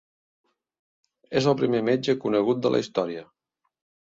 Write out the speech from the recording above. És el primer metge conegut de la història.